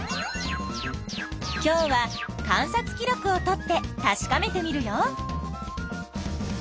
今日は観察記録をとってたしかめてみるよ。